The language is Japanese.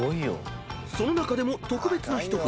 ［その中でも特別な１振り